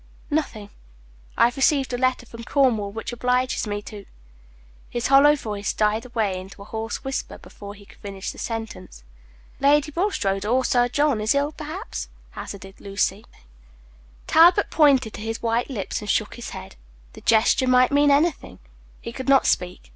"Nothing; I have received a letter from Cornwall which obliges me to " His hollow voice died away into a hoarse whisper before he could finish the sentence. "Lady Bulstrode or Sir John is ill, perhaps?" hazarded Lucy. Page 46 Talbot pointed to his white lips and shook his head. The gesture might mean anything. He could not speak.